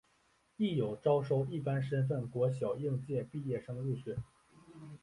亦有招收一般身份国小应届毕业生入学。